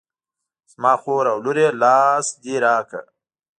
زما خور او لور یې لاس دې را کړه.